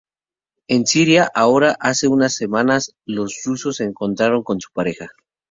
En Siria, ahora, hace unas semanas los rusos se encontraron con su pareja.